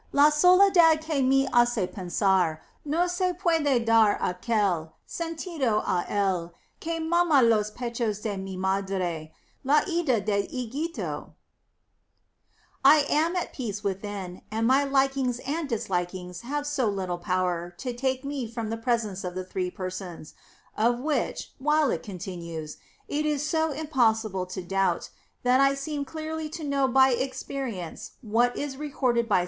La soledad que me hace pensar no se puede dar aquel sentido (i el que mama los pechos de mi madre, la ida de Egito !' 8. I am at peace within; and my likings and dislikings have so little power to take from me the Presence of the Three Persons, of which, while it continues, it is so impossible to doubt, that I seem clearly to know by experience what is re corded by S.